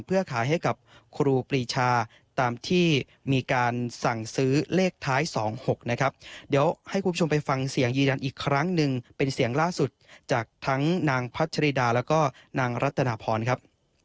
เพื่อขายให้กับครูปรีชาตามที่มีการสั่งซื้อเลขท้าย๒๖นะครับเดี๋ยวให้คุณผู้ชมไปฟังเสียงยืนยันอีกครั้งหนึ่งเป็นเสียงล่าสุดจากทั้งนางพัชริดาแล้วก็นางรัตนาพรครับ